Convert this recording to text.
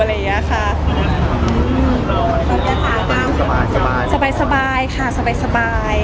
ตอนนี้สบายค่ะสบาย